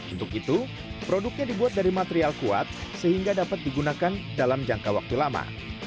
untuk itu produknya dibuat dari material kuat sehingga dapat digunakan dalam jangka waktu lama